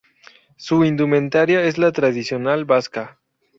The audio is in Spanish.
Su indumentaria es la tradicional vasca.